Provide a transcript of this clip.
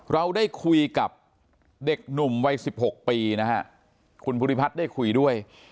เราได้คุยกับเด็กหนุ่มวัย๑๖ปีนะฮะคุณภูริพัฒน์ได้คุยด้วย